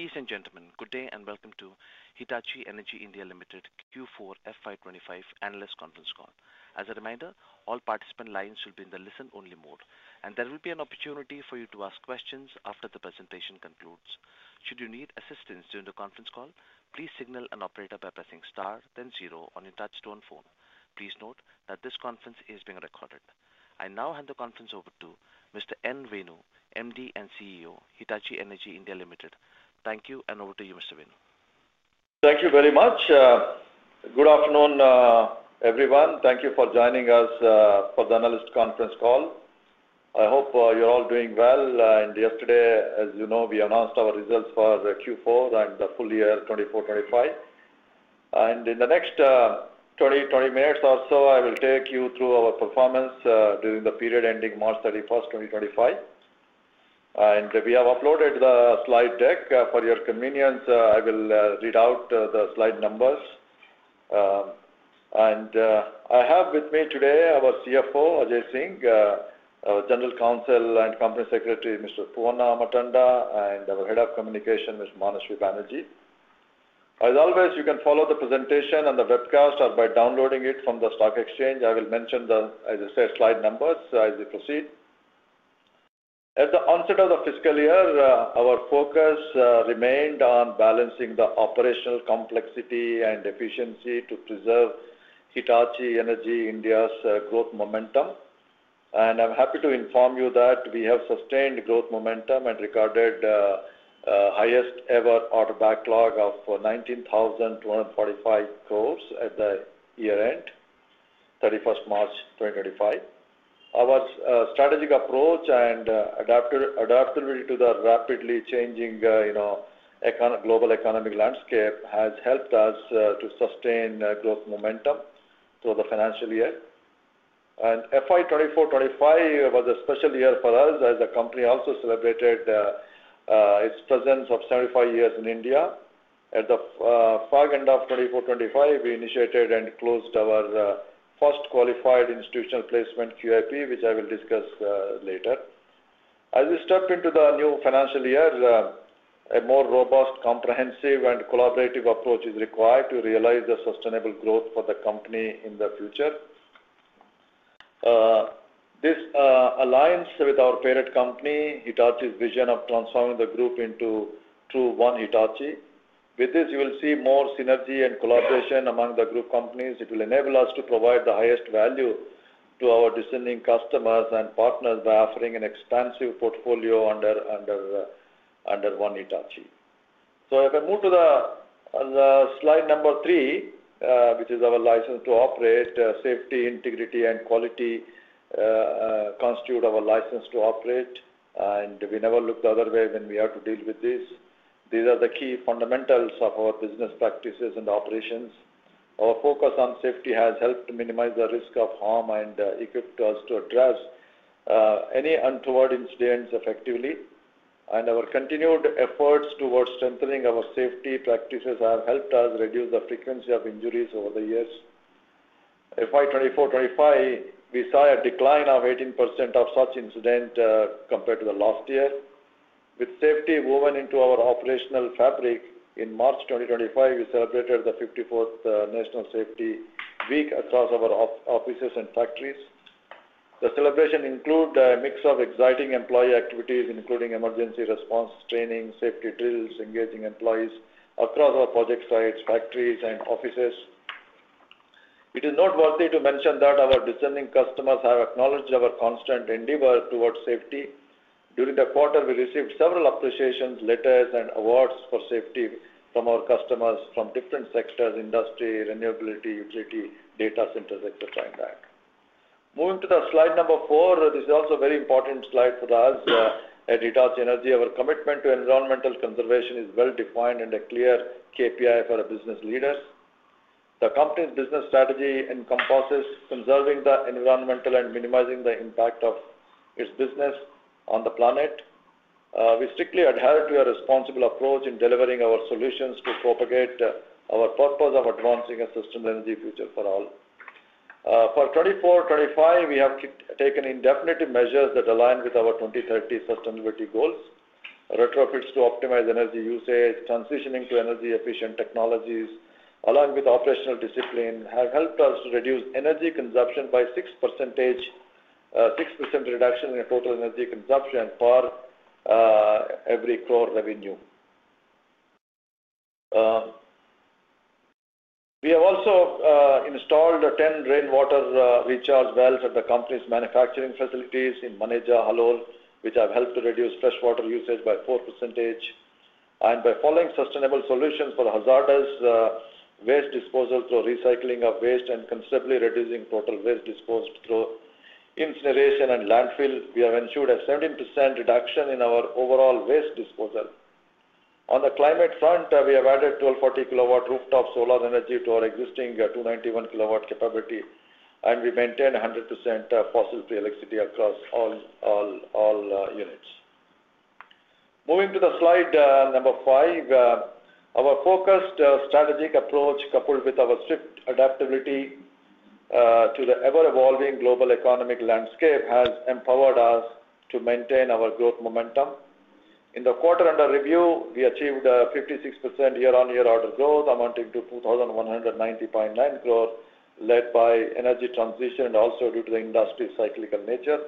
Ladies and gentlemen, good day and welcome to Hitachi Energy India Limited Q4 FY25 Analyst Conference Call. As a reminder, all participant lines will be in the listen-only mode, and there will be an opportunity for you to ask questions after the presentation concludes. Should you need assistance during the conference call, please signal an operator by pressing star, then zero, on your touchstone phone. Please note that this conference is being recorded. I now hand the conference over to Mr. N. Renu, MD and CEO, Hitachi Energy India Limited. Thank you, and over to you, Mr. Venu. Thank you very much. Good afternoon, everyone. Thank you for joining us for the Analyst Conference Call. I hope you're all doing well. Yesterday, as you know, we announced our results for Q4 and the full year 2024-2025. In the next 20 minutes or so, I will take you through our performance during the period ending March 31, 2025. We have uploaded the slide deck. For your convenience, I will read out the slide numbers. I have with me today our CFO, Ajay Singh, our General Counsel and Company Secretary, Mr. Poovanna Ammatanda, and our Head of Communication, Mr. Manashwi Banerjee. As always, you can follow the presentation on the webcast by downloading it from the stock exchange. I will mention, as I said, slide numbers as we proceed. At the onset of the fiscal year, our focus remained on balancing the operational complexity and efficiency to preserve Hitachi Energy India's growth momentum. I am happy to inform you that we have sustained growth momentum and recorded the highest-ever order backlog of 19,245 crore at the year-end, 31 March 2025. Our strategic approach and adaptability to the rapidly changing global economic landscape has helped us to sustain growth momentum through the financial year. FY 2024-2025 was a special year for us as the company also celebrated its presence of 75 years in India. At the fag end of 2024-2025, we initiated and closed our first qualified institutional placement, QIP, which I will discuss later. As we step into the new financial year, a more robust, comprehensive, and collaborative approach is required to realize the sustainable growth for the company in the future. This aligns with our parent company, Hitachi's vision of transforming the group into true One Hitachi. With this, you will see more synergy and collaboration among the group companies. It will enable us to provide the highest value to our discerning customers and partners by offering an expansive portfolio under One Hitachi. If I move to slide number three, which is our license to operate, safety, integrity, and quality constitute our license to operate. We never look the other way when we have to deal with this. These are the key fundamentals of our business practices and operations. Our focus on safety has helped minimize the risk of harm and equipped us to address any untoward incidents effectively. Our continued efforts towards strengthening our safety practices have helped us reduce the frequency of injuries over the years. FY 2024-2025, we saw a decline of 18% of such incidents compared to the last year. With safety woven into our operational fabric, in March 2025, we celebrated the 54th National Safety Week across our offices and factories. The celebration included a mix of exciting employee activities, including emergency response training, safety drills, engaging employees across our project sites, factories, and offices. It is noteworthy to mention that our discerning customers have acknowledged our constant endeavor towards safety. During the quarter, we received several appreciation letters and awards for safety from our customers from different sectors: industry, renewability, utility, data centers, etc., and that. Moving to slide number four, this is also a very important slide for us at Hitachi Energy. Our commitment to environmental conservation is well-defined and a clear KPI for our business leaders. The company's business strategy encompasses conserving the environment and minimizing the impact of its business on the planet. We strictly adhere to a responsible approach in delivering our solutions to propagate our purpose of advancing a sustainable energy future for all. For 2024-2025, we have taken definitive measures that align with our 2030 sustainability goals. Retrofits to optimize energy usage, transitioning to energy-efficient technologies, along with operational discipline, have helped us to reduce energy consumption by 6% reduction in total energy consumption for every core revenue. We have also installed 10 rainwater recharge wells at the company's manufacturing facilities in Maneja, Halol, which have helped to reduce freshwater usage by 4%. By following sustainable solutions for hazardous waste disposal through recycling of waste and considerably reducing total waste disposed through incineration and landfill, we have ensured a 17% reduction in our overall waste disposal. On the climate front, we have added 1,240 kilowatt rooftop solar energy to our existing 291 kilowatt capability, and we maintain 100% fossil-free electricity across all units. Moving to slide number five, our focused strategic approach, coupled with our strict adaptability to the ever-evolving global economic landscape, has empowered us to maintain our growth momentum. In the quarter under review, we achieved a 56% year-on-year order growth amounting to 2,190.9 crore, led by energy transition and also due to the industry's cyclical nature.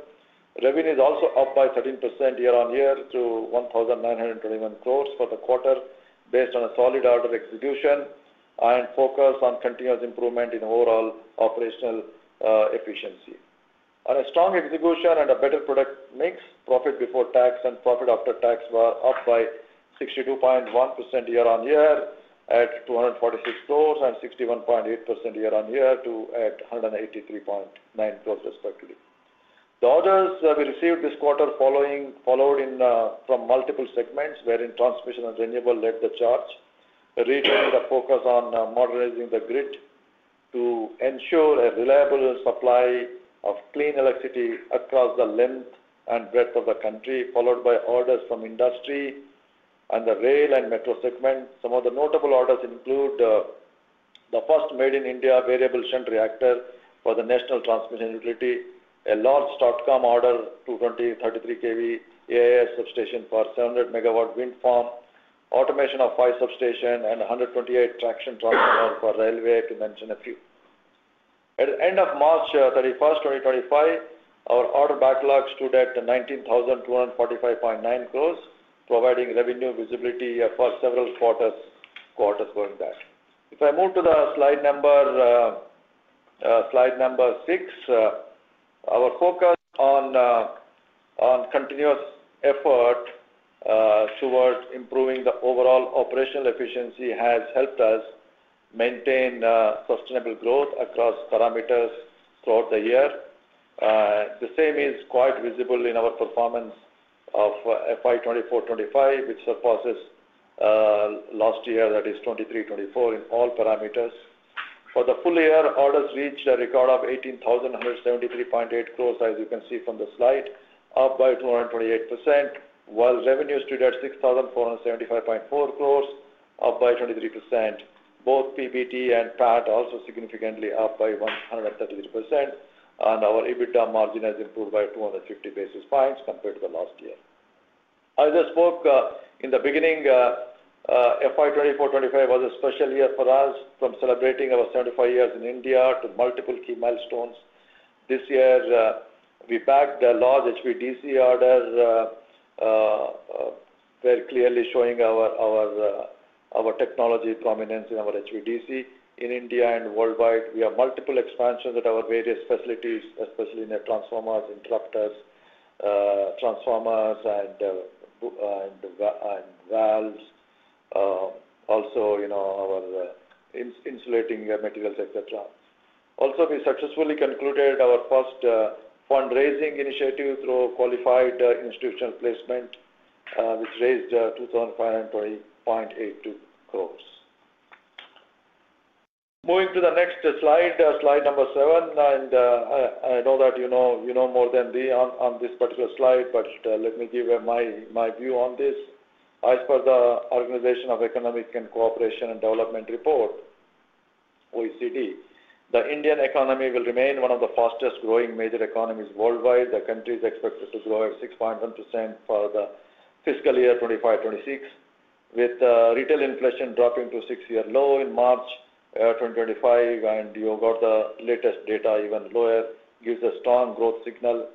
Revenue is also up by 13% year-on-year to 1,921 crore for the quarter, based on a solid order execution and focus on continuous improvement in overall operational efficiency. On a strong execution and a better product mix, profit before tax and profit after tax were up by 62.1% year-on-year at 246 crore and 61.8% year-on-year to 183.9 crore, respectively. The orders we received this quarter followed from multiple segments, wherein transmission and renewable led the charge, redoing the focus on modernizing the grid to ensure a reliable supply of clean electricity across the length and breadth of the country, followed by orders from industry and the rail and metro segment. Some of the notable orders include the first made-in-India variable shunt reactor for the National Transmission Utility, a large Statcom order, 220 kV AIS substation for 700 MW wind farm, automation of five substations, and 128 traction transformer for railway, to mention a few. At the end of March 31, 2025, our order backlog stood at 19,245.9 crore, providing revenue visibility for several quarters going back. If I move to slide number six, our focus on continuous effort towards improving the overall operational efficiency has helped us maintain sustainable growth across parameters throughout the year. The same is quite visible in our performance of FY 2024-2025, which surpasses last year, that is 2023-2024, in all parameters. For the full year, orders reached a record of 18,173.8 crores, as you can see from the slide, up by 228%, while revenue stood at 6,475.4 crores, up by 23%. Both PBT and PAT also significantly up by 133%, and our EBITDA margin has improved by 250 basis points compared to the last year. As I spoke in the beginning, FY 2024-2025 was a special year for us, from celebrating our 75 years in India to multiple key milestones. This year, we backed a large HVDC order, very clearly showing our technology prominence in our HVDC in India and worldwide. We have multiple expansions at our various facilities, especially in the transformers, interrupters, transformers, and valves, also our insulating materials, etc. Also, we successfully concluded our first fundraising initiative through qualified institutional placement, which raised 2,520.82 crore. Moving to the next slide, slide number seven, and I know that you know more than me on this particular slide, but let me give my view on this. As per the Organization for Economic Co-operation and Development Report, OECD, the Indian economy will remain one of the fastest-growing major economies worldwide. The country is expected to grow at 6.1% for the fiscal year 2025-2026, with retail inflation dropping to a six-year low in March 2025. You got the latest data even lower, gives a strong growth signal.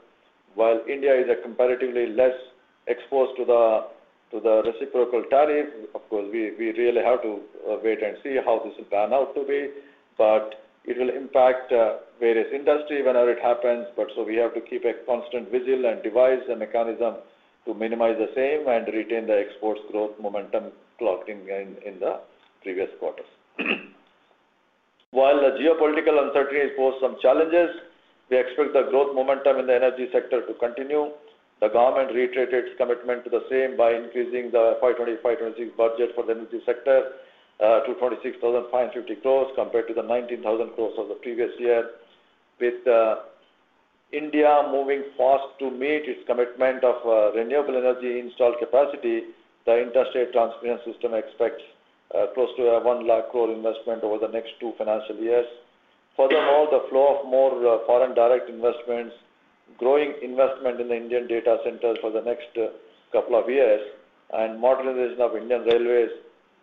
While India is comparatively less exposed to the reciprocal tariff, of course, we really have to wait and see how this will pan out to be. It will impact various industries whenever it happens. We have to keep a constant vigil and devise a mechanism to minimize the same and retain the exports growth momentum clocked in the previous quarters. While the geopolitical uncertainty posed some challenges, we expect the growth momentum in the energy sector to continue. The government reiterated its commitment to the same by increasing the FY 2025-2026 budget for the energy sector to 26,550 crore compared to the 19,000 crore of the previous year. With India moving fast to meet its commitment of renewable energy installed capacity, the interstate transmission system expects close to an 1 lakh crore investment over the next two financial years. Furthermore, the flow of more foreign direct investments, growing investment in the Indian data centers for the next couple of years, and modernization of Indian railways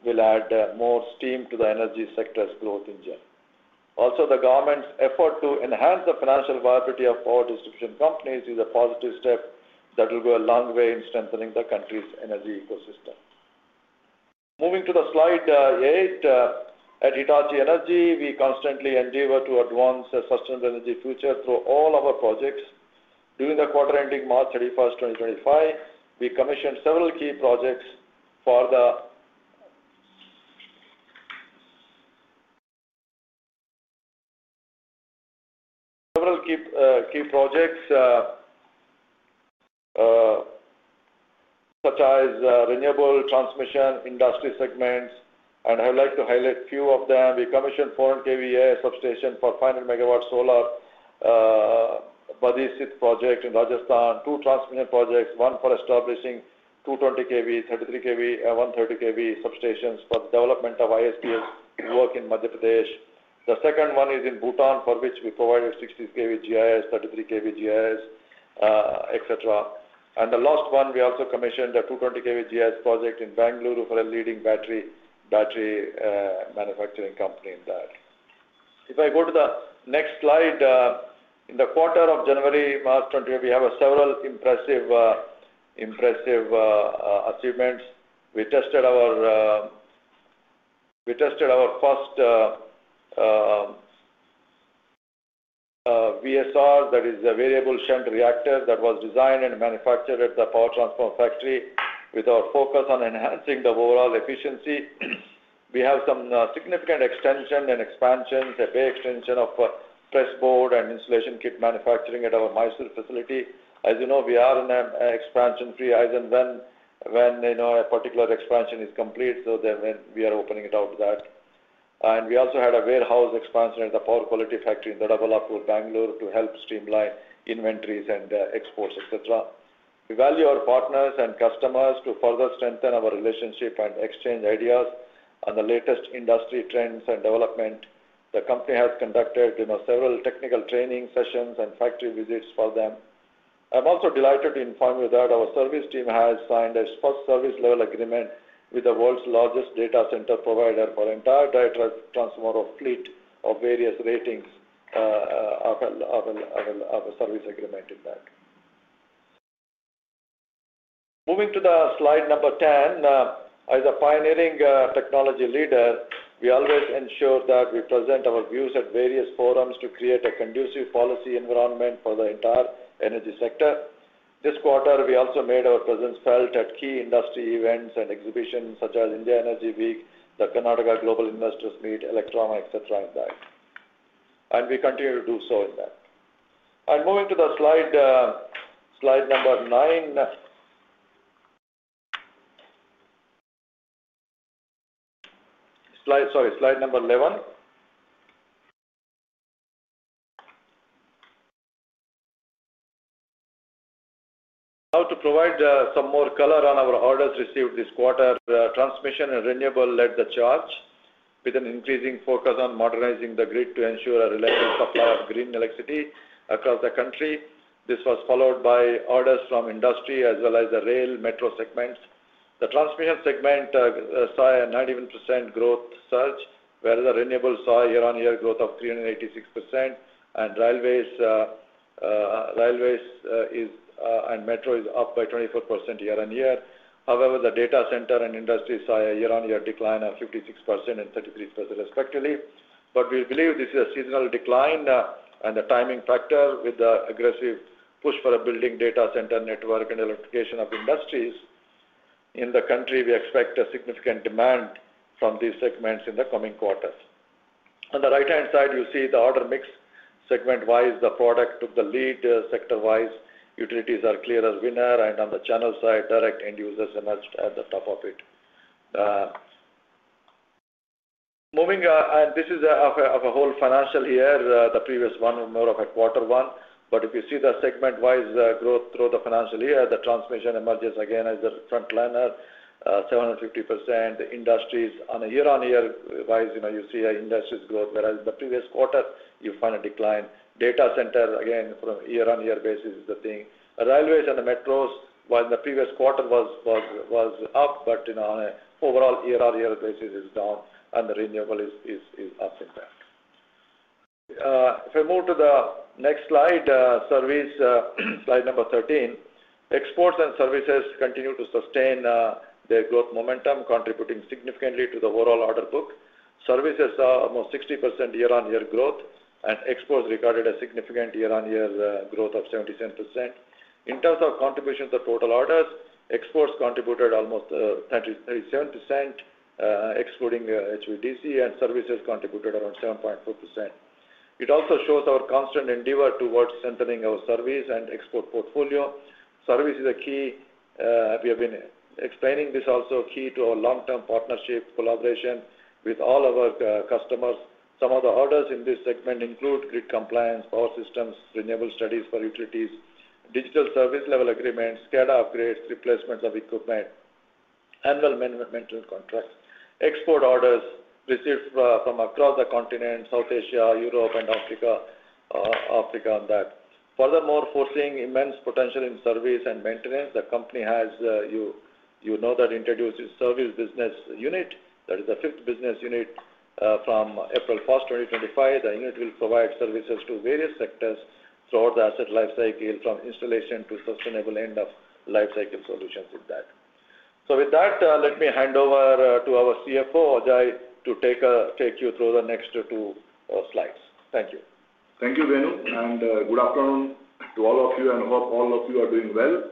will add more steam to the energy sector's growth engine. Also, the government's effort to enhance the financial viability of power distribution companies is a positive step that will go a long way in strengthening the country's energy ecosystem. Moving to slide eight, at Hitachi Energy, we constantly endeavor to advance a sustainable energy future through all our projects. During the quarter ending March 31, 2025, we commissioned several key projects for the renewable transmission industry segments. I would like to highlight a few of them. We commissioned 400 kV substations for the 500 MW solar Buddhi Sith project in Rajasthan. Two transmission projects, one for establishing 220 kV, 33 kV, and 130 kV substations for the development of ISPS work in Madhya Pradesh. The second one is in Bhutan, for which we provided 60 kV GIS, 33 kV GIS, etc. The last one, we also commissioned a 220 kV GIS project in Bengaluru for a leading battery manufacturing company in that. If I go to the next slide, in the quarter of January-March 2025, we have several impressive achievements. We tested our first VSR, that is a variable shunt reactor, that was designed and manufactured at the power transform factory with our focus on enhancing the overall efficiency. We have some significant extension and expansions, a big extension of pressboard and insulation kit manufacturing at our Mysuru facility. As you know, we are an expansion-free as and when a particular expansion is complete, so then we are opening it out to that. We also had a warehouse expansion at the power quality factory in Dabholpur, Bengaluru, to help streamline inventories and exports, etc. We value our partners and customers to further strengthen our relationship and exchange ideas on the latest industry trends and development. The company has conducted several technical training sessions and factory visits for them. I'm also delighted to inform you that our service team has signed a first service level agreement with the world's largest data center provider for the entire transformer fleet of various ratings of a service agreement in that. Moving to slide number 10, as a pioneering technology leader, we always ensure that we present our views at various forums to create a conducive policy environment for the entire energy sector. This quarter, we also made our presence felt at key industry events and exhibitions such as India Energy Week, the Karnataka Global Investors Meet, Electrona, etc., and that. We continue to do so in that. Moving to slide number nine, sorry, slide number 11, to provide some more color on our orders received this quarter, transmission and renewable led the charge, with an increasing focus on modernizing the grid to ensure a reliable supply of green electricity across the country. This was followed by orders from industry as well as the rail, metro segments. The transmission segment saw a 91% growth surge, whereas the renewable saw a year-on-year growth of 386%, and railways and metro is up by 24% year-on-year. However, the data center and industry saw a year-on-year decline of 56% and 33%, respectively. We believe this is a seasonal decline and a timing factor. With the aggressive push for a building data center network and electrification of industries in the country, we expect a significant demand from these segments in the coming quarters. On the right-hand side, you see the order mix segment-wise. The product took the lead. Sector-wise, utilities are clearer winner. On the channel side, direct end users emerged at the top of it. This is of a whole financial year, the previous one more of a quarter one. If you see the segment-wise growth through the financial year, the transmission emerges again as the front runner, 750%. Industries, on a year-on-year wise, you see an industry's growth, whereas in the previous quarter, you find a decline. Data center, again, from a year-on-year basis is the thing. Railways and the metros, while in the previous quarter was up, but on an overall year-on-year basis is down, and the renewable is up in that. If I move to the next slide, service slide number 13, exports and services continue to sustain their growth momentum, contributing significantly to the overall order book. Services saw almost 60% year-on-year growth, and exports recorded a significant year-on-year growth of 77%. In terms of contribution to total orders, exports contributed almost 37%, excluding HVDC, and services contributed around 7.4%. It also shows our constant endeavor towards strengthening our service and export portfolio. Service is a key. We have been explaining this also key to our long-term partnership collaboration with all our customers. Some of the orders in this segment include grid compliance, power systems, renewable studies for utilities, digital service-level agreements, SCADA upgrades, replacements of equipment, annual maintenance contracts, export orders received from across the continent, South Asia, Europe, and Africa on that. Furthermore, foreseeing immense potential in service and maintenance, the company has, you know, introduced its service business unit. That is the fifth business unit from April 1, 2025. The unit will provide services to various sectors throughout the asset lifecycle, from installation to sustainable end-of-lifecycle solutions in that. So with that, let me hand over to our CFO, Ajay, to take you through the next two slides. Thank you. Thank you, Venu. And good afternoon to all of you. I hope all of you are doing well.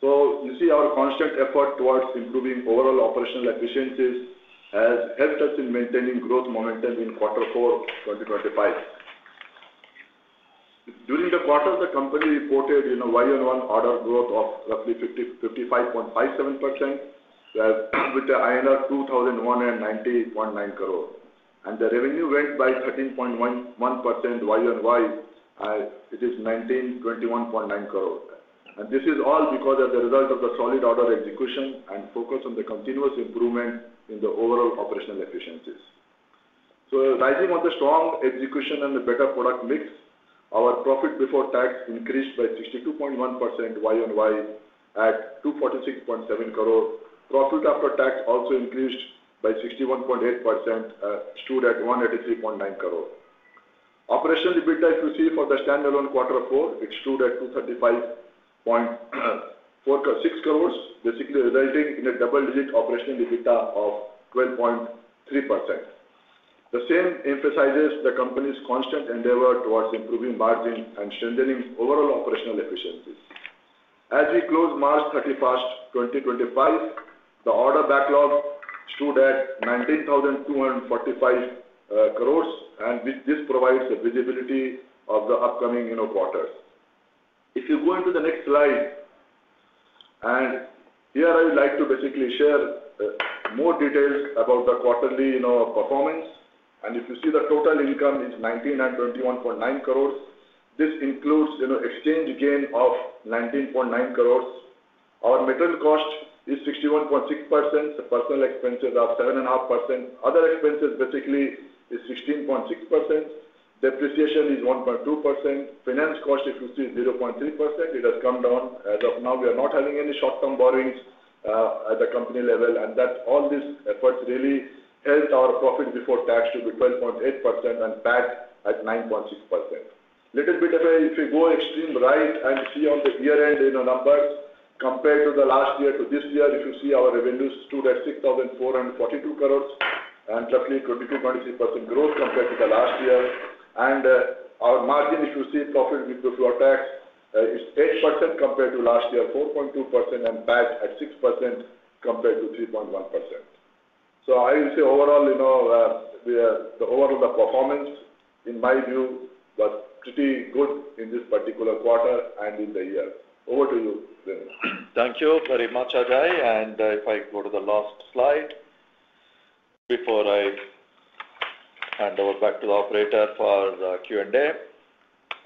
You see our constant effort towards improving overall operational efficiencies has helped us in maintaining growth momentum in quarter four, 2025. During the quarter, the company reported Y-on-Y order growth of roughly 55.57%, with the INR 2,190.9 crore. And the revenue went by 13.1% Y-on-Y. It is INR 1,921.9 crore. This is all because of the result of the solid order execution and focus on the continuous improvement in the overall operational efficiencies. Rising on the strong execution and the better product mix, our profit before tax increased by 62.1% year-on-year at 246.7 crore. Profit after tax also increased by 61.8%, stood at 183.9 crore. Operational EBITDA you see for the standalone quarter four, it stood at 235.6 crore, basically resulting in a double-digit operational EBITDA of 12.3%. The same emphasizes the company's constant endeavor towards improving margin and strengthening overall operational efficiencies. As we close March 31, 2025, the order backlog stood at 19,245 crore, and this provides visibility of the upcoming quarters. If you go into the next slide, here I would like to basically share more details about the quarterly performance. If you see the total income is 19,021.9 crore. This includes exchange gain of 19.9 crores. Our metal cost is 61.6%. Personal expenses are 7.5%. Other expenses basically is 16.6%. Depreciation is 1.2%. Finance cost, if you see, is 0.3%. It has come down. As of now, we are not having any short-term borrowings at the company level. All these efforts really helped our profit before tax to be 12.8% and PAT at 9.6%. Little bit of a if you go extreme right and see on the year-end numbers compared to the last year to this year, if you see our revenues stood at 6,442 crores and roughly 22-23% growth compared to the last year. Our margin, if you see profit before tax, is 8% compared to last year, 4.2%, and PAT at 6% compared to 3.1%. I would say overall, the overall performance, in my view, was pretty good in this particular quarter and in the year. Over to you, Venu. Thank you very much, Ajay. If I go to the last slide before I hand over back to the operator for the Q&A.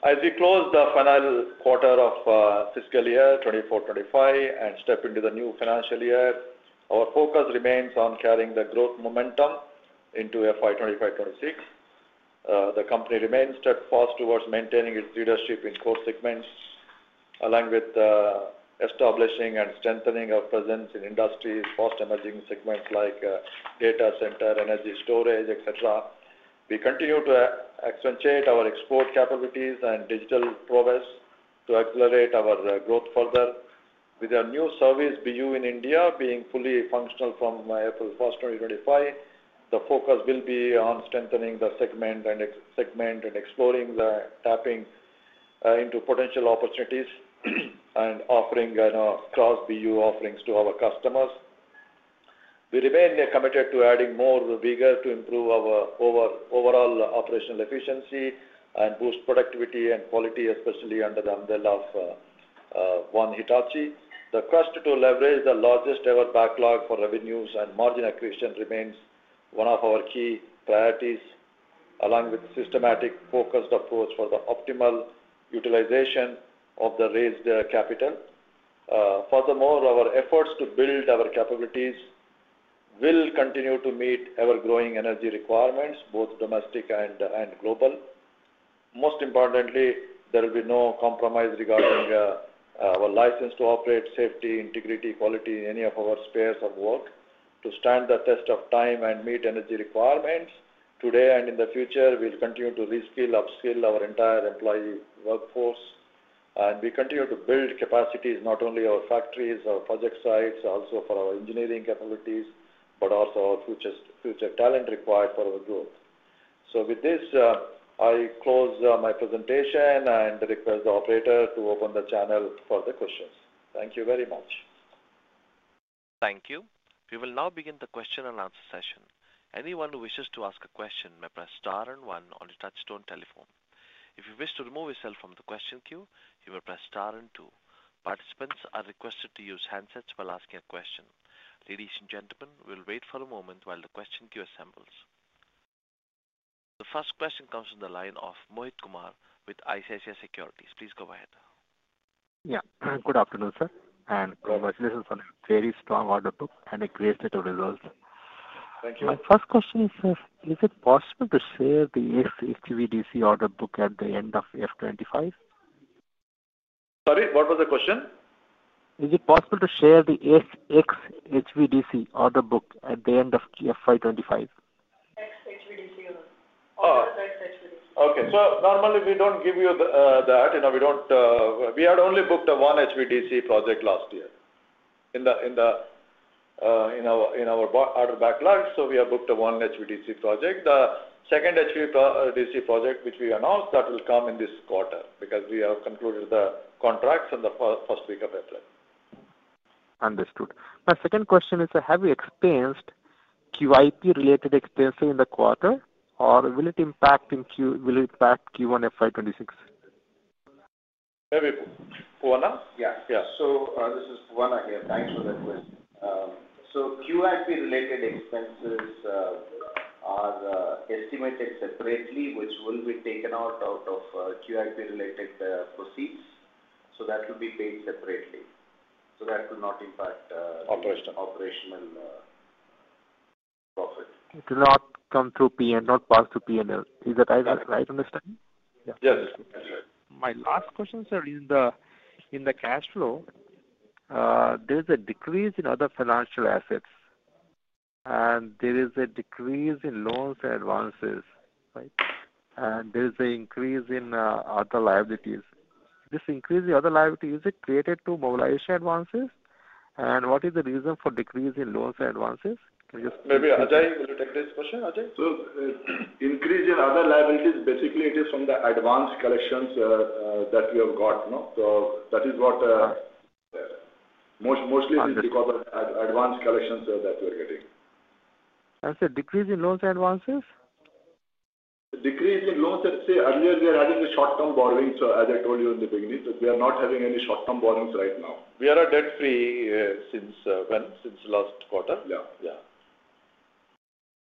As we close the final quarter of fiscal year 2024-2025 and step into the new financial year, our focus remains on carrying the growth momentum into FY 2025-2026. The company remains steadfast towards maintaining its leadership in core segments, along with establishing and strengthening our presence in industries, fast-emerging segments like data center, energy storage, etc. We continue to accentuate our export capabilities and digital prowess to accelerate our growth further. With our new service BU in India being fully functional from April 1, 2025, the focus will be on strengthening the segment and exploring the tapping into potential opportunities and offering cross-BU offerings to our customers. We remain committed to adding more vigor to improve our overall operational efficiency and boost productivity and quality, especially under the umbrella of One Hitachi. The quest to leverage the largest ever backlog for revenues and margin acquisition remains one of our key priorities, along with systematic focused approach for the optimal utilization of the raised capital. Furthermore, our efforts to build our capabilities will continue to meet ever-growing energy requirements, both domestic and global. Most importantly, there will be no compromise regarding our license to operate, safety, integrity, quality in any of our spheres of work. To stand the test of time and meet energy requirements today and in the future, we'll continue to reskill, upskill our entire employee workforce. We continue to build capacities, not only our factories, our project sites, also for our engineering capabilities, but also our future talent required for our growth. With this, I close my presentation and request the operator to open the channel for the questions. Thank you very much. Thank you. We will now begin the question and answer session. Anyone who wishes to ask a question may press star and one on the touchstone telephone. If you wish to remove yourself from the question queue, you may press star and two. Participants are requested to use handsets while asking a question. Ladies and gentlemen, we'll wait for a moment while the question queue assembles. The first question comes from the line of Mohit Kumar with ICICI Securities. Please go ahead. Yeah. Good afternoon, sir. And congratulations on a very strong order book and a great set of results. Thank you. My first question is, is it possible to share the HVDC order book at the end of FY 2025? Sorry? What was the question? Is it possible to share the HVDC order book at the end of FY 2025? HVDC order. Order HVDC. Okay. So normally, we do not give you that. We had only booked one HVDC project last year in our order backlog. So we have booked one HVDC project. The second HVDC project which we announced, that will come in this quarter because we have concluded the contracts in the first week of April. Understood. My second question is, have you experienced QIP-related expenses in the quarter, or will it impact Q1 FY 2026? Poovanna? Yeah. Yeah. So this is Poovanna here. Thanks for the question. QIP-related expenses are estimated separately, which will be taken out of QIP-related proceeds. That will be paid separately. That will not impact operational profit. It will not come through P&L, not pass through P&L. Is that right? I understand. Yes. That's right. My last question, sir, in the cash flow, there is a decrease in other financial assets, and there is a decrease in loans and advances, right? There is an increase in other liabilities. This increase in other liabilities, is it related to mobilization advances? What is the reason for decrease in loans and advances? Can you just? Maybe Ajay, will you take this question, Ajay? Increase in other liabilities, basically, it is from the advance collections that we have got. That is what mostly it is because of advance collections that we are getting. I said decrease in loans and advances? Decrease in loans. Let's say earlier, we are having the short-term borrowings. As I told you in the beginning, we are not having any short-term borrowings right now. We are debt-free since last quarter. Yeah. Yeah.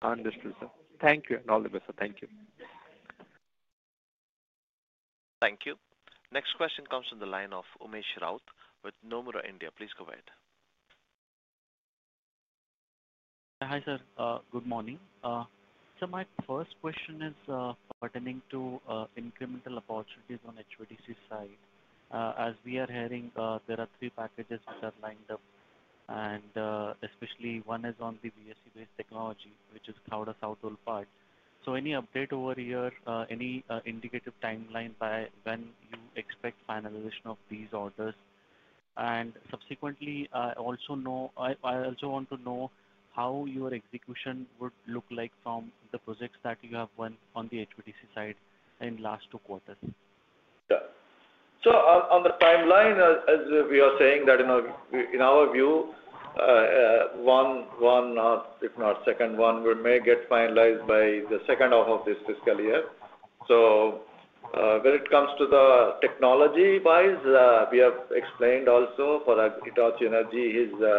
Understood, sir. Thank you. All the best, sir. Thank you. Thank you. Next question comes from the line of Umesh Raut with Nomura India. Please go ahead. Hi, sir. Good morning. Sir, my first question is pertaining to incremental opportunities on HVDC side. As we are hearing, there are three packages which are lined up, and especially one is on the BSC-based technology, which is Cloud as Outdoor Parts. Any update over here, any indicative timeline by when you expect finalization of these orders? Subsequently, I also want to know how your execution would look like from the projects that you have won on the HVDC side in the last two quarters. Yeah. On the timeline, as we are saying that in our view, one if not the second one, we may get finalized by the second half of this fiscal year. When it comes to the technology-wise, we have explained also for Hitachi Energy, we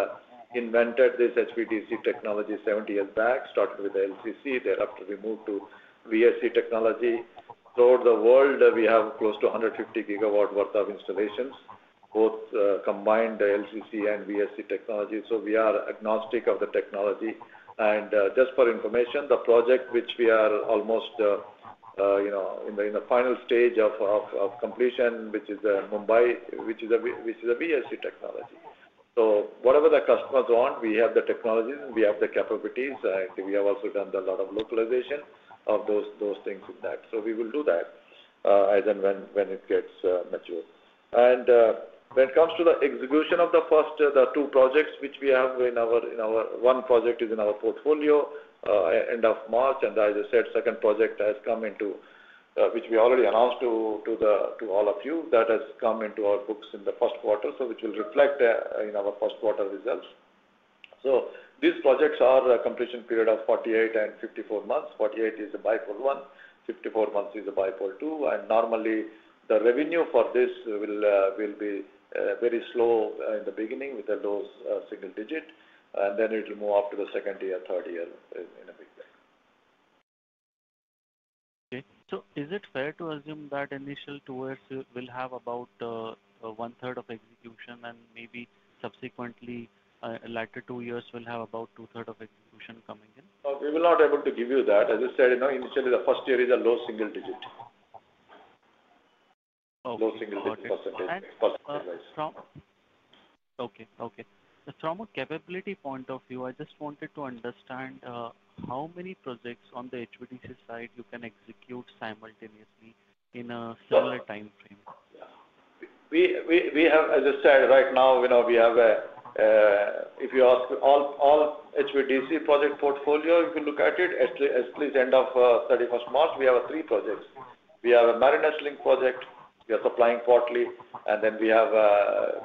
invented this HVDC technology 70 years back, started with LCC. Thereafter, we moved to BSC technology. Throughout the world, we have close to 150 gigawatt worth of installations, both combined LCC and BSC technology. We are agnostic of the technology. Just for information, the project which we are almost in the final stage of completion, which is Mumbai, which is a BSC technology. Whatever the customers want, we have the technology, and we have the capabilities. We have also done a lot of localization of those things in that. We will do that as and when it gets mature. When it comes to the execution of the first, the two projects which we have in our one project is in our portfolio end of March. As I said, second project has come into which we already announced to all of you that has come into our books in the first quarter, which will reflect in our first quarter results. These projects are a completion period of 48 and 54 months. 48 is a bipolar one. 54 months is a bipolar two. Normally, the revenue for this will be very slow in the beginning with the low single digit. Then it will move up to the second year, third year in a big way. Okay. Is it fair to assume that initial two years will have about one-third of execution and maybe subsequently later two years will have about two-thirds of execution coming in? We will not be able to give you that. As I said, initially, the first year is a low single digit. Low single digit %. Okay. From a capability point of view, I just wanted to understand how many projects on the HVDC side you can execute simultaneously in a similar time frame. As I said, right now, if you ask all HVDC project portfolio, you can look at it, at least end of 31 March, we have three projects. We have a Mariner's Link project. We are supplying portly. Then we have a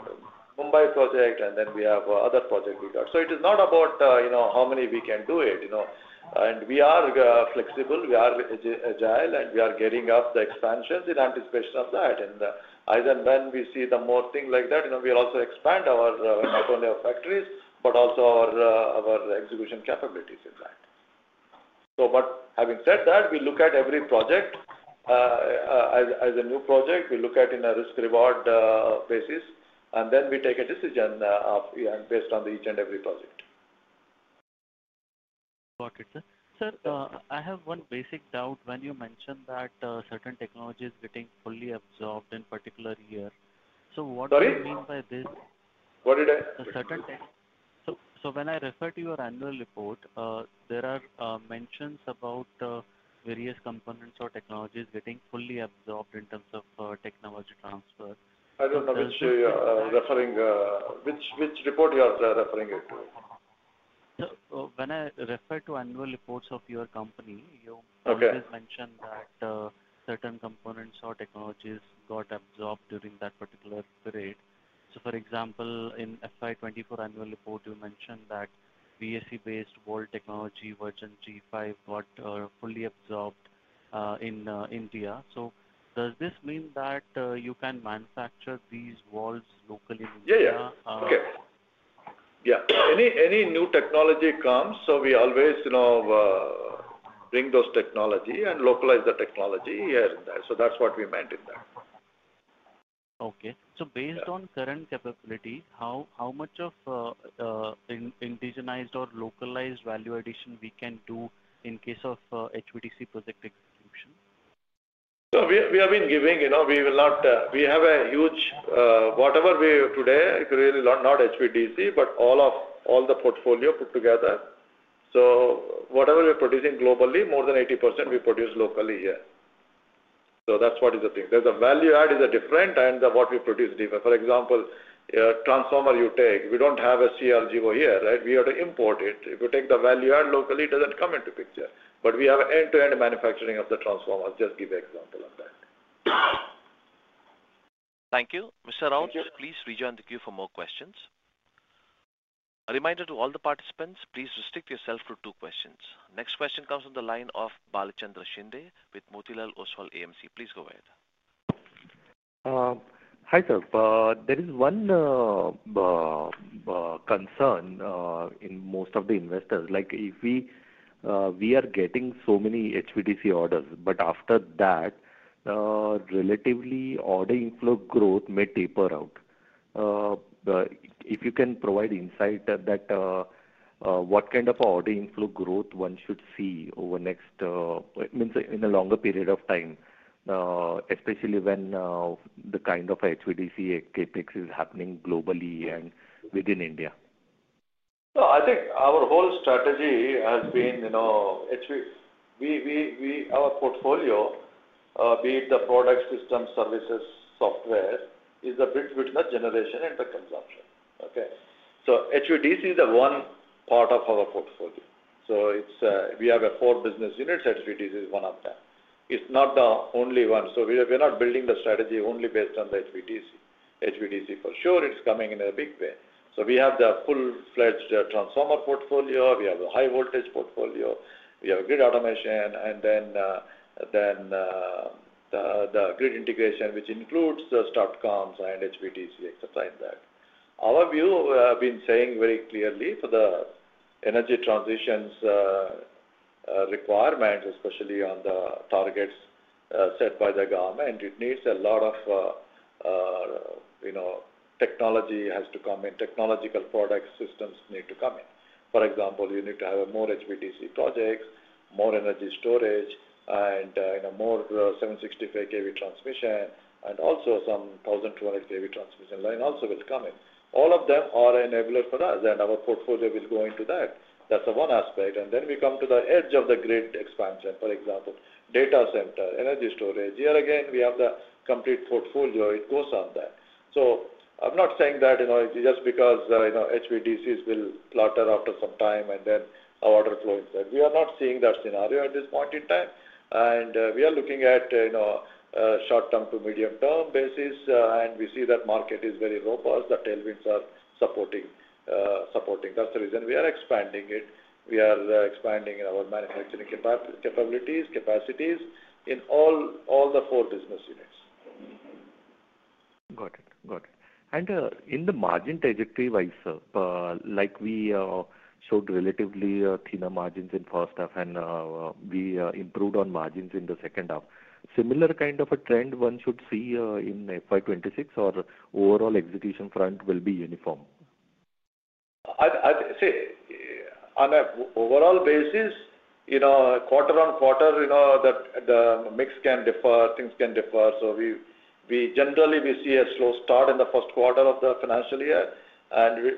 Mumbai project. Then we have other projects we got. It is not about how many we can do it. We are flexible. We are agile. We are getting up the expansions in anticipation of that. As and when we see more things like that, we also expand not only our factories, but also our execution capabilities in that. Having said that, we look at every project as a new project. We look at it on a risk-reward basis. Then we take a decision based on each and every project. Okay. Sir, I have one basic doubt. When you mentioned that certain technology is getting fully absorbed in a particular year, what do you mean by this? What did I? When I refer to your annual report, there are mentions about various components or technologies getting fully absorbed in terms of technology transfer. I do not know which report you are referring to. When I refer to annual reports of your company, you always mention that certain components or technologies got absorbed during that particular period. For example, in the FY 2024 annual report, you mentioned that BSC-based wall technology version G5 got fully absorbed in India. Does this mean that you can manufacture these walls locally in India? Yeah. Yeah. Any new technology comes, so we always bring those technology and localize the technology here and there. That is what we meant in that. Okay. Based on current capability, how much of indigenized or localized value addition can we do in case of HVDC project execution? We have been giving, we have a huge whatever we today, it's really not HVDC, but all the portfolio put together. Whatever we're producing globally, more than 80% we produce locally here. That's what is the thing. The value add is different and what we produce is different. For example, transformer you take, we don't have a CRGO here, right? We have to import it. If you take the value add locally, it doesn't come into picture. We have end-to-end manufacturing of the transformers, just to give you an example of that. Thank you. Mr. Raut, please rejoin the queue for more questions. A reminder to all the participants, please restrict yourself to two questions. Next question comes from the line of Bhalchandra Shinde with Motilal Oswal AMC. Please go ahead. Hi sir. There is one concern in most of the investors. We are getting so many HVDC orders, but after that, relatively order inflow growth may taper out. If you can provide insight at that, what kind of order inflow growth one should see over next in a longer period of time, especially when the kind of HVDC CapEx is happening globally and within India? I think our whole strategy has been our portfolio, be it the product systems, services, software, is the bridge between the generation and the consumption. Okay? HVDC is the one part of our portfolio. We have four business units. HVDC is one of them. It's not the only one. We are not building the strategy only based on the HVDC. HVDC, for sure, it's coming in a big way. We have the full-fledged transformer portfolio. We have a high-voltage portfolio. We have grid automation. Then the grid integration, which includes the Statcoms and HVDC exercise. Our view, we have been saying very clearly for the energy transitions requirements, especially on the targets set by the government, it needs a lot of technology to come in. Technological product systems need to come in. For example, you need to have more HVDC projects, more energy storage, and more 765 kV transmission, and also some 1200 kV transmission line also will come in. All of them are enablers for us, and our portfolio will go into that. That is the one aspect. Then we come to the edge of the grid expansion. For example, data center, energy storage. Here again, we have the complete portfolio. It goes on that. I am not saying that just because HVDCs will clutter after some time and then our order flow is there. We are not seeing that scenario at this point in time. We are looking at short-term to medium-term basis, and we see that market is very robust. The tailwinds are supporting. That is the reason we are expanding it. We are expanding our manufacturing capabilities, capacities in all the four business units. Got it. Got it. In the margin trajectory-wise, sir, we showed relatively thinner margins in first half, and we improved on margins in the second half. Similar kind of a trend one should see in FY 2026, or overall execution front will be uniform? See, on an overall basis, quarter on quarter, the mix can differ. Things can differ. Generally, we see a slow start in the first quarter of the financial year,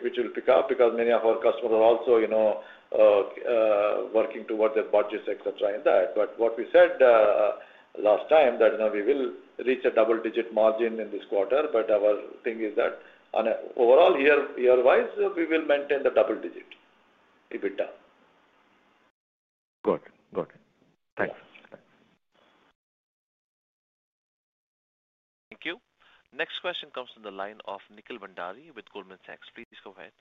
which will pick up because many of our customers are also working towards their budgets, etc., and that. What we said last time is that we will reach a double-digit margin in this quarter. Our thing is that overall, year-wise, we will maintain the double digit if it does. Got it. Got it. Thanks. Thank you. Next question comes from the line of Nikhil Bhandari with Goldman Sachs. Please go ahead.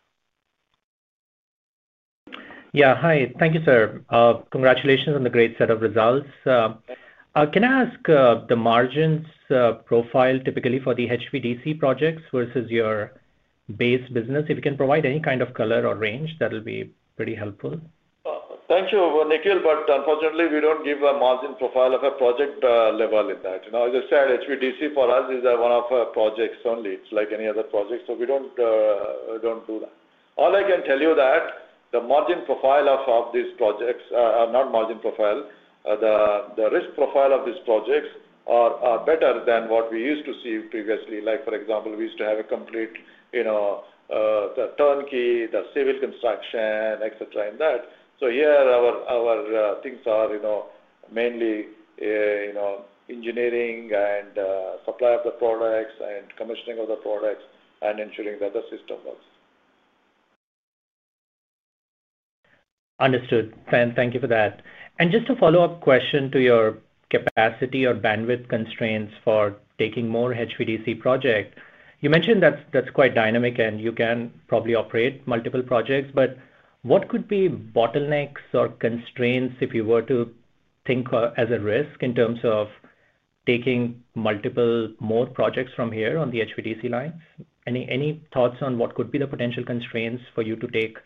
Yeah. Hi. Thank you, sir. Congratulations on the great set of results. Can I ask the margins profile typically for the HVDC projects versus your base business? If you can provide any kind of color or range, that will be pretty helpful. Thank you, Nikhil. Unfortunately, we do not give a margin profile at a project level in that. As I said, HVDC for us is one of our projects only. It is like any other project. We do not do that. All I can tell you is that the margin profile of these projects is not margin profile. The risk profile of these projects is better than what we used to see previously. For example, we used to have a complete turnkey, the civil construction, etc., and that. Here, our things are mainly engineering and supply of the products and commissioning of the products and ensuring that the system works. Understood. Thank you for that. Just a follow-up question to your capacity or bandwidth constraints for taking more HVDC projects. You mentioned that's quite dynamic, and you can probably operate multiple projects. What could be bottlenecks or constraints if you were to think as a risk in terms of taking multiple more projects from here on the HVDC lines? Any thoughts on what could be the potential constraints for you to take,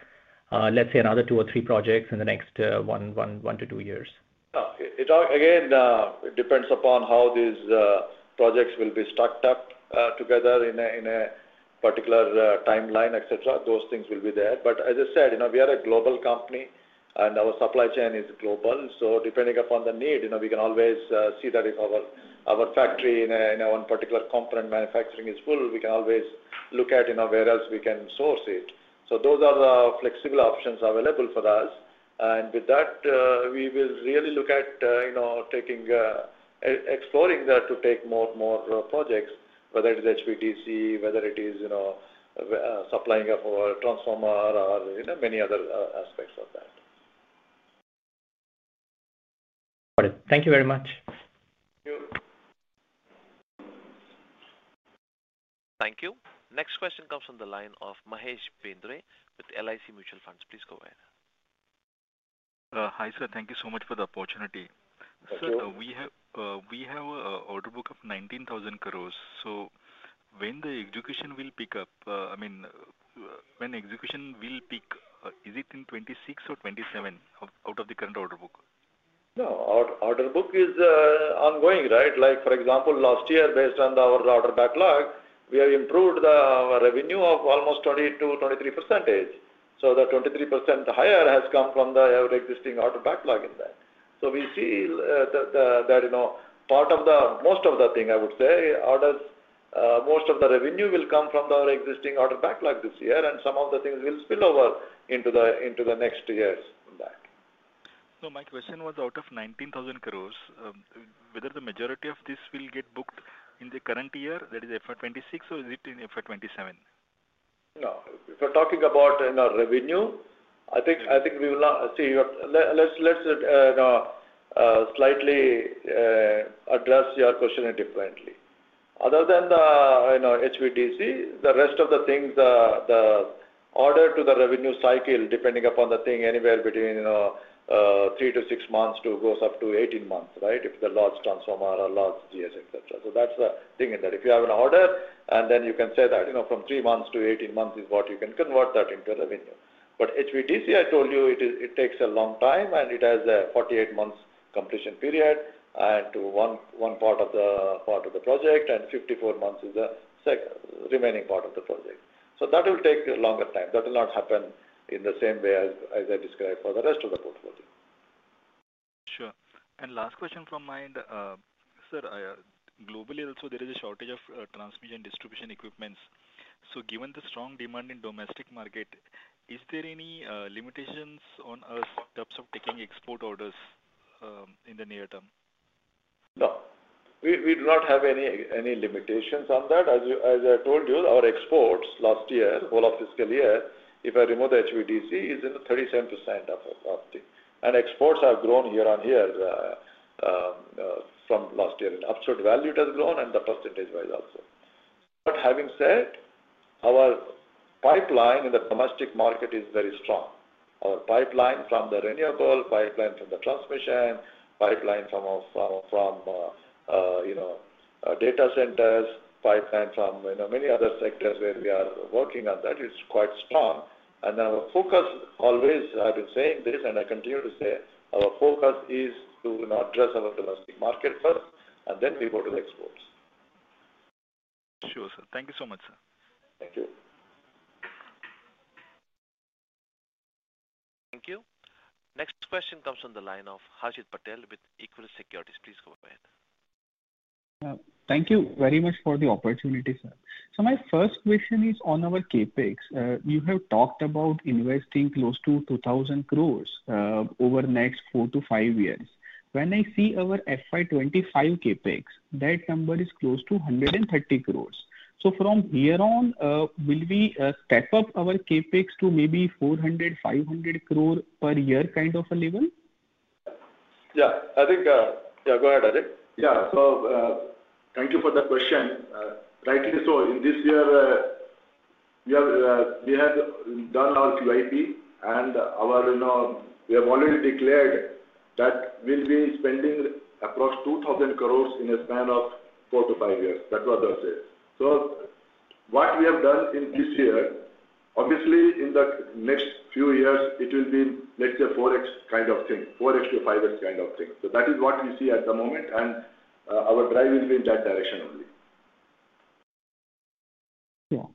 let's say, another two or three projects in the next one to two years? Again, it depends upon how these projects will be stacked up together in a particular timeline, etc. Those things will be there. As I said, we are a global company, and our supply chain is global. Depending upon the need, we can always see that if our factory in one particular component manufacturing is full, we can always look at where else we can source it. Those are the flexible options available for us. With that, we will really look at exploring that to take more projects, whether it is HVDC, whether it is supplying a transformer or many other aspects of that. Got it. Thank you very much. Thank you. Thank you. Next question comes from the line of Mahesh Bendre with LIC Mutual Fund. Please go ahead. Hi sir. Thank you so much for the opportunity. Sir, we have an order book of 19,000 crores. When will the execution pick up? I mean, when will execution peak, is it in 2026 or 2027 out of the current order book? No. Order book is ongoing, right? For example, last year, based on our order backlog, we have improved the revenue by almost 22-23%. The 23% higher has come from the existing order backlog in that. We see that most of the revenue will come from our existing order backlog this year, and some of the things will spill over into the next years from that. My question was out of 19,000 crores, whether the majority of this will get booked in the current year, that is FY 2026, or is it in FY 2027? No. If we're talking about revenue, I think we will not see, let's slightly address your question differently. Other than the HVDC, the rest of the things, the order to the revenue cycle, depending upon the thing, anywhere between three to six months to goes up to 18 months, right? If it's a large transformer or large GIS, etc. That's the thing in that. If you have an order, then you can say that from three months to 18 months is what you can convert that into revenue. HVDC, I told you, it takes a long time, and it has a 48-month completion period to one part of the project, and 54 months is the remaining part of the project. That will take longer time. That will not happen in the same way as I described for the rest of the portfolio. Sure. Last question from my end. Sir, globally, also, there is a shortage of transmission distribution equipments. Given the strong demand in domestic market, is there any limitations on us in terms of taking export orders in the near term? No. We do not have any limitations on that. As I told you, our exports last year, all of fiscal year, if I remove the HVDC, is in 37% of things. Exports have grown year on year from last year. In absolute value, it has grown, and the percentage-wise also. Having said that, our pipeline in the domestic market is very strong. Our pipeline from the renewable, pipeline from the transmission, pipeline from data centers, pipeline from many other sectors where we are working on, that is quite strong. Our focus always, I have been saying this, and I continue to say, our focus is to address our domestic market first, and then we go to the exports. Sure, sir. Thank you so much, sir. Thank you. Thank you. Next question comes from the line of Harshit Patel with Equus Securities. Please go ahead. Thank you very much for the opportunity, sir. My first question is on our CapEx. You have talked about investing close to 2,000 crore over the next four to five years. When I see our FY 2025 CapEx, that number is close to 130 crore. From here on, will we step up our CapEx to maybe 400-500 crore per year kind of a level? Yeah. I think yeah, go ahead, Ajay. Yeah. Thank you for the question. Rightly so. In this year, we have done our QIP, and we have already declared that we'll be spending across 2,000 crore in a span of four to five years. That's what I'll say. What we have done in this year, obviously, in the next few years, it will be, let's say, 4X kind of thing, 4X-5X kind of thing. That is what we see at the moment, and our drive will be in that direction only. Yeah.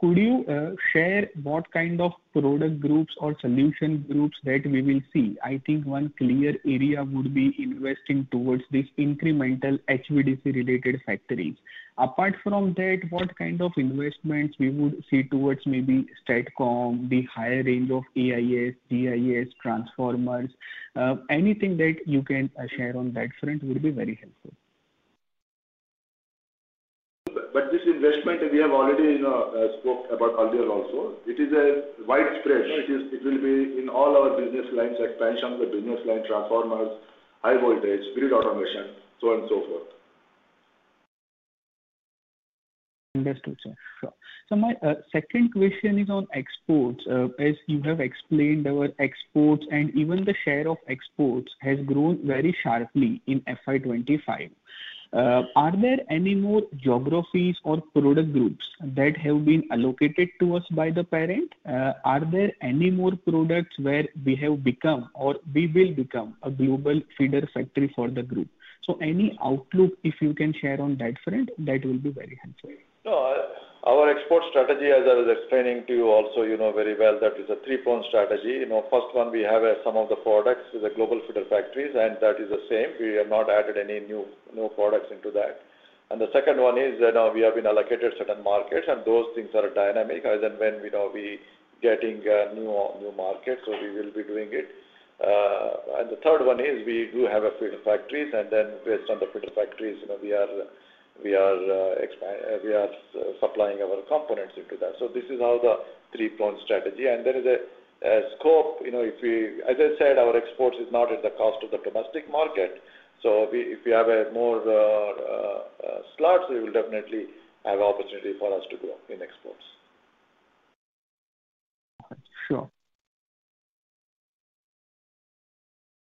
Could you share what kind of product groups or solution groups that we will see? I think one clear area would be investing towards these incremental HVDC-related factories. Apart from that, what kind of investments we would see towards maybe Statcom, the higher range of AIS, GIS, transformers, anything that you can share on that front would be very helpful. This investment, we have already spoke about earlier also. It is widespread. It will be in all our business lines, expansion of the business line, transformers, high voltage, grid automation, so on and so forth. Understood, sir. Sure. My second question is on exports. As you have explained, our exports and even the share of exports has grown very sharply in FY 2025. Are there any more geographies or product groups that have been allocated to us by the parent? Are there any more products where we have become or we will become a global feeder factory for the group? Any outlook, if you can share on that front, that will be very helpful. Our export strategy, as I was explaining to you also very well, that is a three-pronged strategy. First, we have some of the products with the global feeder factories, and that is the same. We have not added any new products into that. The second one is we have been allocated certain markets, and those things are dynamic as and when we are getting new markets, so we will be doing it. The third one is we do have feeder factories, and then based on the feeder factories, we are supplying our components into that. This is how the three-pronged strategy works. The scope, as I said, our exports are not at the cost of the domestic market. If we have more slots, we will definitely have opportunity for us to grow in exports. Sure.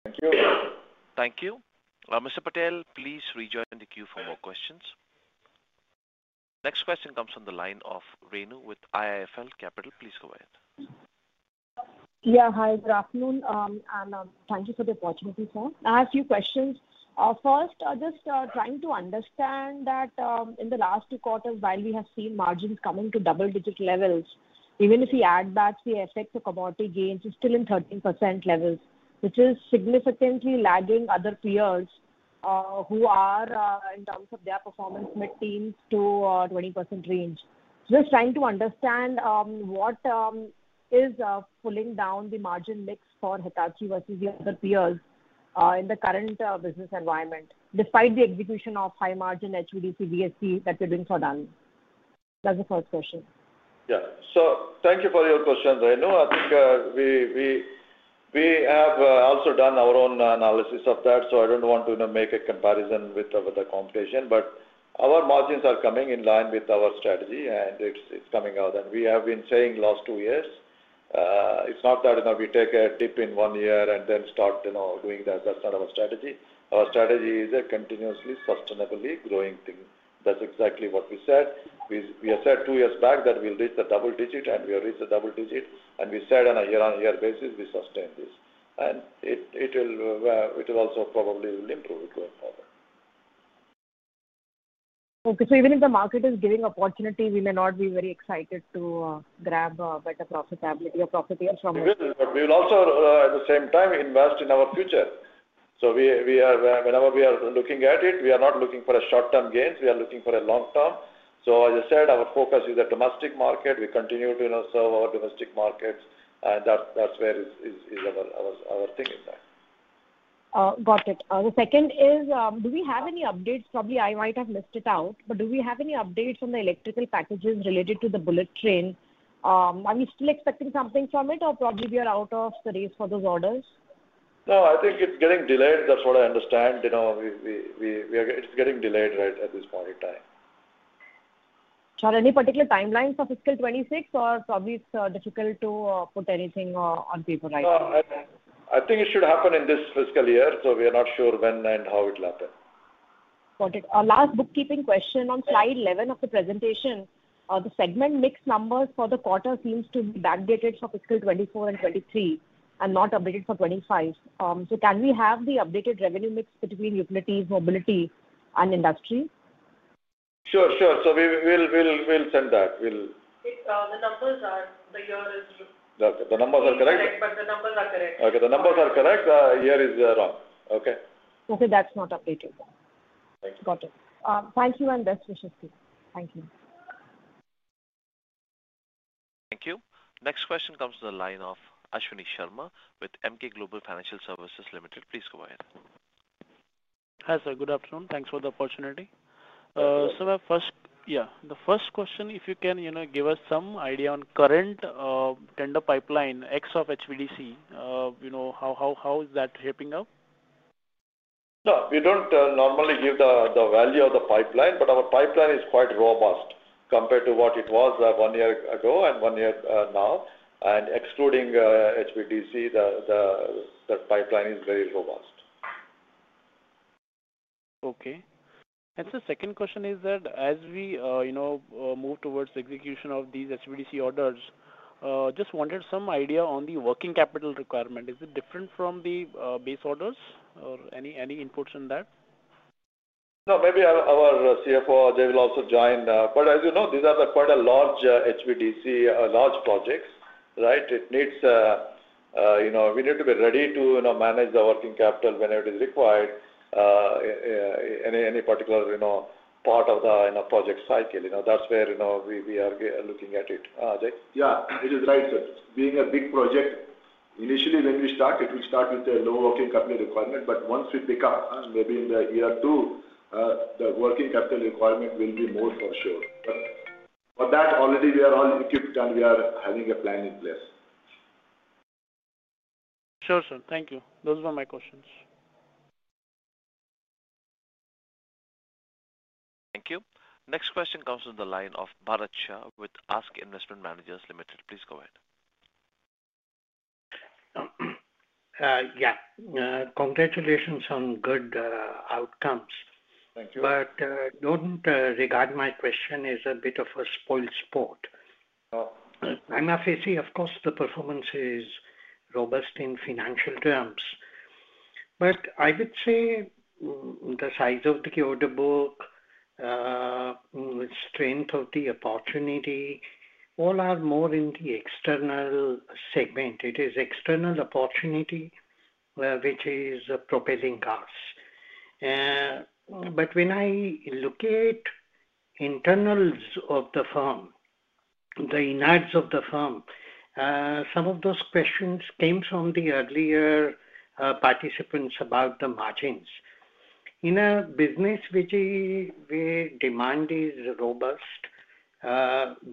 Thank you. Thank you. Mr. Patel, please rejoin the queue for more questions. Next question comes from the line of Renu with IIFL Capital. Please go ahead. Yeah. Hi. Good afternoon. And thank you for the opportunity, sir. I have a few questions. First, just trying to understand that in the last two quarters, while we have seen margins come into double-digit levels, even if we add that to the effect of commodity gains, it's still in 13% levels, which is significantly lagging other peers who are, in terms of their performance, mid-teens to 20% range. Just trying to understand what is pulling down the margin mix for Hitachi versus the other peers in the current business environment, despite the execution of high-margin HVDC, BSC that we're doing for them. That's the first question. Yeah. So thank you for your question, Renu. I think we have also done our own analysis of that, so I don't want to make a comparison with the competition. Our margins are coming in line with our strategy, and it's coming out. We have been saying last two years, it's not that we take a dip in one year and then start doing that. That's not our strategy. Our strategy is a continuously sustainably growing thing. That's exactly what we said. We have said two years back that we'll reach the double digit, and we have reached the double digit. We said on a year-on-year basis, we sustain this. It will also probably improve going forward. Okay. Even if the market is giving opportunity, we may not be very excited to grab better profitability or profit from. We will also, at the same time, invest in our future. Whenever we are looking at it, we are not looking for short-term gains. We are looking for a long-term. As I said, our focus is the domestic market. We continue to serve our domestic markets, and that's where our thing is at. Got it. The second is, do we have any updates? Probably I might have missed it out. Do we have any updates on the electrical packages related to the bullet train? Are we still expecting something from it, or probably we are out of the race for those orders? No. I think it's getting delayed. That's what I understand. It's getting delayed right at this point in time. Are there any particular timelines for fiscal 2026, or probably it's difficult to put anything on paper right now? I think it should happen in this fiscal year, so we are not sure when and how it will happen. Got it. Last bookkeeping question on slide 11 of the presentation. The segment mix numbers for the quarter seem to be backdated for fiscal 2024 and 2023 and not updated for 2025. Can we have the updated revenue mix between utilities, mobility, and industry? Sure, sure. We will send that. The numbers are, the year is. Okay. The numbers are correct? But the numbers are correct. Okay. The numbers are correct. The year is wrong. Okay. Okay. That is not updated. Got it. Thank you and best wishes to you. Thank you. Thank you. Next question comes from the line of Ashwini Sharma with MK Global Financial Services Limited. Please go ahead. Hi sir. Good afternoon. Thanks for the opportunity. Yeah, the first question, if you can give us some idea on current tender pipeline, X of HVDC, how is that shaping up? No. We do not normally give the value of the pipeline, but our pipeline is quite robust compared to what it was one year ago and one year now. Excluding HVDC, the pipeline is very robust. Okay. The second question is that as we move towards execution of these HVDC orders, just wanted some idea on the working capital requirement. Is it different from the base orders or any inputs in that? No. Maybe our CFO, they will also join. As you know, these are quite large HVDC, large projects, right? We need to be ready to manage the working capital whenever it is required, any particular part of the project cycle. That is where we are looking at it, Ajay. Yeah. It is right, sir. Being a big project, initially when we start, it will start with the low working capital requirement. But once we pick up, maybe in the year two, the working capital requirement will be more for sure. For that, already we are all equipped, and we are having a plan in place. Sure, sir. Thank you. Those were my questions. Thank you. Next question comes from the line of Baracha with Ask Investment Managers Limited. Please go ahead. Yeah. Congratulations on good outcomes. Thank you. Do not regard my question as a bit of a spoiled sport. I'm afraid to say, of course, the performance is robust in financial terms. I would say the size of the order book, strength of the opportunity, all are more in the external segment. It is external opportunity, which is propelling us. When I look at internals of the firm, the innards of the firm, some of those questions came from the earlier participants about the margins. In a business where demand is robust,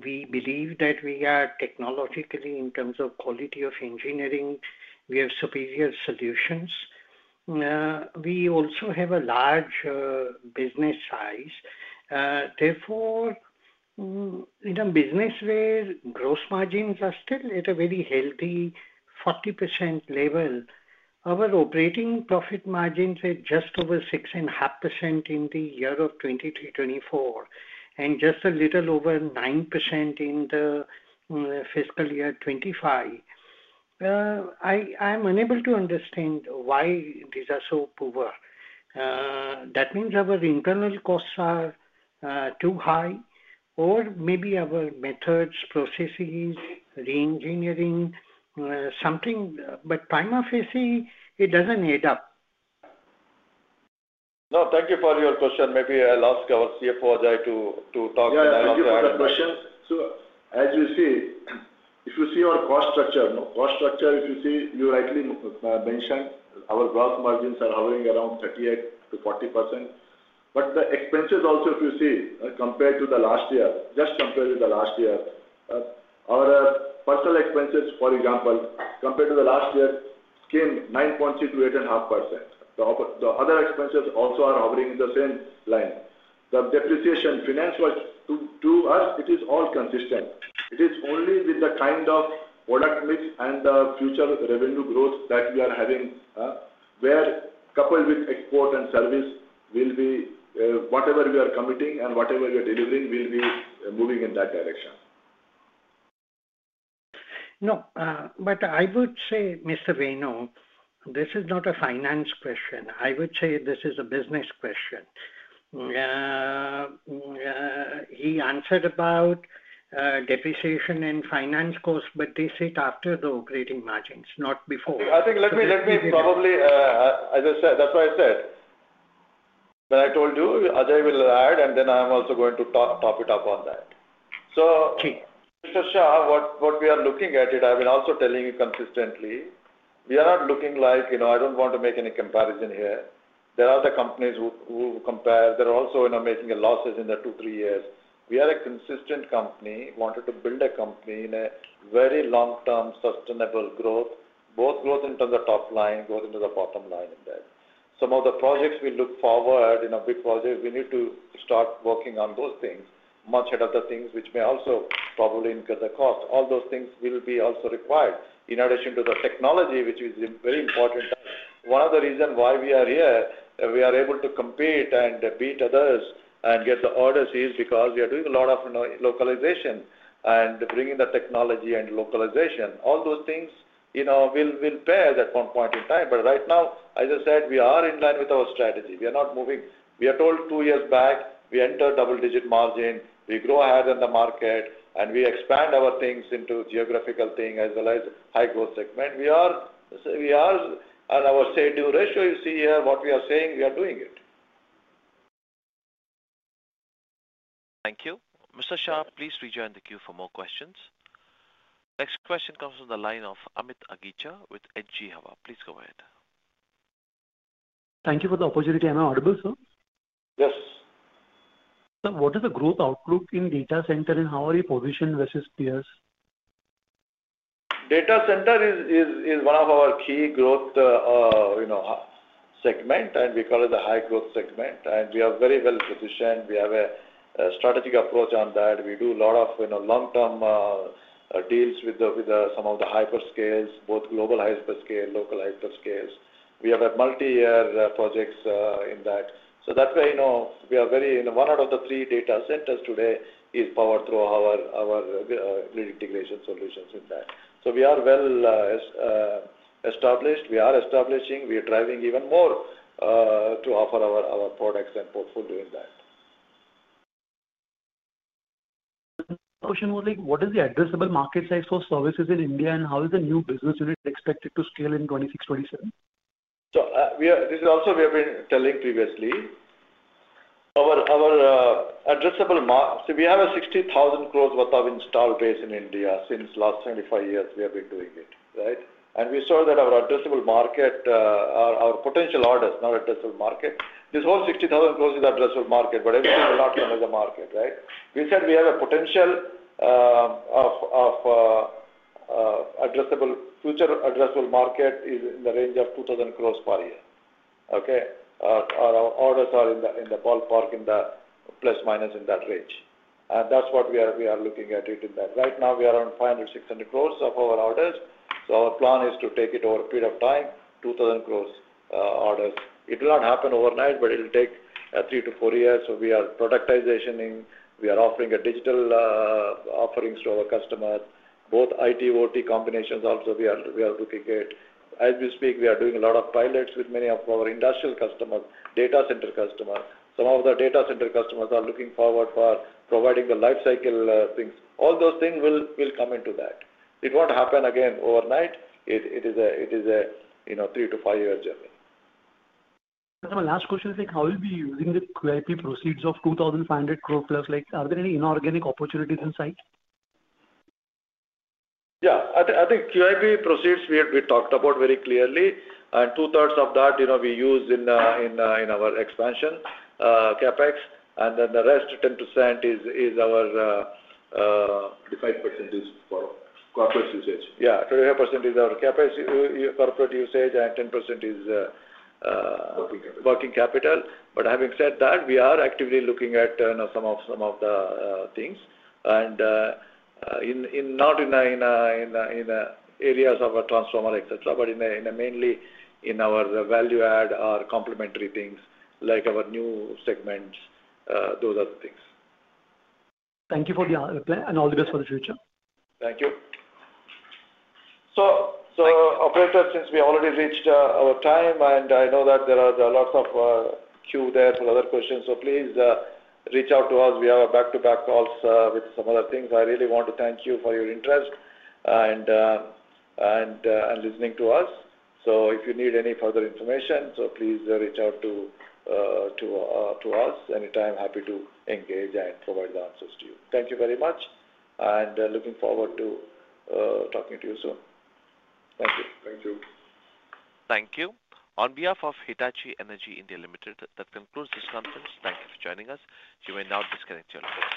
we believe that we are technologically, in terms of quality of engineering, we have superior solutions. We also have a large business size. Therefore, in a business where gross margins are still at a very healthy 40% level, our operating profit margins are just over 6.5% in the year of 2023/2024 and just a little over 9% in the fiscal year 2025. I'm unable to understand why these are so poor. That means our internal costs are too high, or maybe our methods, processes, re-engineering, something. I'm afraid to say it doesn't add up. No. Thank you for your question. Maybe I'll ask our CFO, Ajay, to talk and I'll answer. Yeah. Thank you for the question. As you see, if you see our cost structure, if you see, you rightly mentioned our gross margins are hovering around 38%-40%. The expenses also, if you see, compared to last year, just compared with last year, our personnel expenses, for example, compared to last year, came 9.3% to 8.5%. The other expenses also are hovering in the same line. The depreciation finance was to us, it is all consistent. It is only with the kind of product mix and future revenue growth that we are having, where coupled with export and service will be whatever we are committing and whatever we are delivering will be moving in that direction. No. I would say, Mr. Renu, this is not a finance question. I would say this is a business question. He answered about depreciation and finance cost, but they sit after the operating margins, not before. I think let me probably, as I said, that's why I said. When I told you, Ajay will add, and then I'm also going to top it up on that. So Mr. Shah, what we are looking at, I've been also telling you consistently, we are not looking like I don't want to make any comparison here. There are other companies who compare. They're also making losses in the two, three years. We are a consistent company. We wanted to build a company in a very long-term sustainable growth, both growth into the top line, growth into the bottom line in that. Some of the projects we look forward, big projects, we need to start working on those things much ahead of the things, which may also probably incur the cost. All those things will be also required in addition to the technology, which is very important. One of the reasons why we are here, we are able to compete and beat others and get the orders is because we are doing a lot of localization and bringing the technology and localization. All those things will pay at one point in time. Right now, as I said, we are in line with our strategy. We are not moving. We were told two years back, we enter double-digit margin, we grow ahead of the market, and we expand our things into geographical thing as well as high-growth segment. We are on our schedule ratio. You see here what we are saying, we are doing it. Thank you. Mr. Shah, please rejoin the queue for more questions. Next question comes from the line of Amit Aghicha with Edge Wealth. Please go ahead. Thank you for the opportunity. Am I audible, sir? Yes. Sir, what is the growth outlook in data center, and how are you positioned versus peers? Data center is one of our key growth segment, and we call it the high-growth segment. We are very well positioned. We have a strategic approach on that. We do a lot of long-term deals with some of the hyperscales, both global hyperscale, local hyperscales. We have multi-year projects in that. That way, one out of the three data centers today is powered through our integration solutions in that. We are well established. We are establishing. We are driving even more to offer our products and portfolio in that. Question was like, what is the addressable market size for services in India, and how is the new business unit expected to scale in 2026/2027? This is also we have been telling previously. Our addressable market, we have an 60,000 crore worth of installed base in India since the last 25 years we have been doing it, right? We saw that our addressable market, our potential orders, not addressable market. This whole 60,000 crore is addressable market, but everything will not come as a market, right? We said we have a potential of addressable future addressable market is in the range of 2,000 crore per year. Okay? Our orders are in the ballpark, in the plus-minus in that range. That is what we are looking at in that. Right now, we are on 500-600 crore of our orders. Our plan is to take it over a period of time, 2,000 crore orders. It will not happen overnight, but it will take three to four years. We are productizing. We are offering digital offerings to our customers, both IT, OT combinations also we are looking at. As we speak, we are doing a lot of pilots with many of our industrial customers, data center customers. Some of the data center customers are looking forward for providing the lifecycle things. All those things will come into that. It will not happen again overnight. It is a three- to five-year journey. My last question is like, how will we be using the QIP proceeds of 2,500 crore plus? Are there any inorganic opportunities in sight? Yeah. I think QIP proceeds we talked about very clearly. Two-thirds of that we use in our expansion, CapEx. The rest 25% is our corporate usage. Yeah. 25% is our corporate usage, and 10% is working capital. Having said that, we are actively looking at some of the things. Not in the areas of our transformer, etc., but mainly in our value-add or complementary things like our new segments, those are the things. Thank you for the answer, and all the best for the future. Thank you. Operators, since we already reached our time, and I know that there are lots of queue there for other questions, please reach out to us. We have back-to-back calls with some other things. I really want to thank you for your interest and listening to us. If you need any further information, please reach out to us. Anytime, happy to engage and provide the answers to you. Thank you very much, and looking forward to talking to you soon. Thank you. Thank you. Thank you. On behalf of Hitachi Energy India Limited, that concludes this conference. Thank you for joining us. You may now disconnect your line.